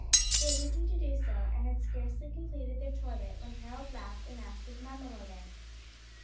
They hastened to do so, and had scarcely completed their toilet when Harold rapped and asked if mamma were there.